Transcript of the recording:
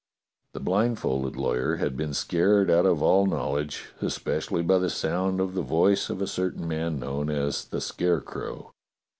The blindfolded lawyer had been scared out of all knowledge, especially by the sound of the voice of a certain man known as the Scarecrow.